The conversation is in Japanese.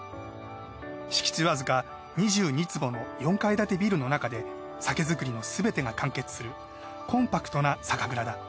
敷地わずか２２坪の４階建てビルの中で酒造りのすべてが完結するコンパクトな酒蔵だ。